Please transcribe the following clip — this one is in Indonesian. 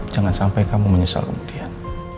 jangan sampai kamu menyesal kemudian